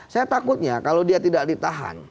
saya takutnya kalau dia tidak ditahan